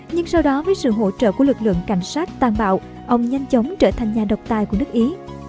nhưng sau đó với sự hỗ trợ của lực lượng cảnh sát tàn bạo ông nhanh chóng trở thành nhà độc tài của nước ý